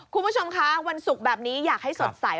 คุณผู้ชมคะวันศุกร์แบบนี้อยากให้สดใส